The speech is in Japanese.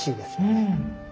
うん。